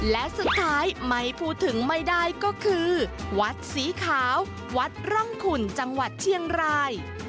และสุดท้ายไม่พูดถึงไม่ได้ก็คือวัดสีขาววัดร่องขุนจังหวัดเชียงราย